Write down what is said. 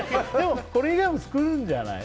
これ以外も作るんじゃない？